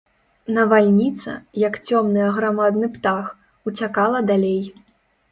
Навальніца, як цёмны аграмадны птах, уцякала далей.